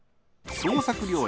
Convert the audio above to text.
創作料理